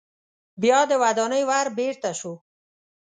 بیا د ودانۍ ور بیرته شو.